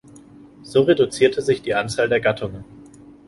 So reduzierte sich die Anzahl der Gattungen.